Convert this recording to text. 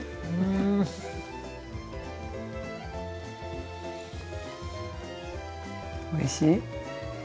おいしい？